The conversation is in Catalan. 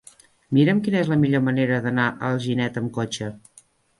Mira'm quina és la millor manera d'anar a Alginet amb cotxe.